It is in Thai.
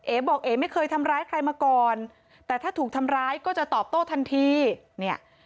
บอกเอ๋ไม่เคยทำร้ายใครมาก่อนแต่ถ้าถูกทำร้ายก็จะตอบโต้ทันทีเนี่ย